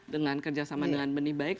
dengan kerjasama dengan benibaik